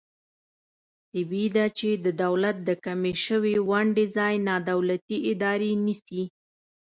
طبعي ده چې د دولت د کمې شوې ونډې ځای نا دولتي ادارې نیسي.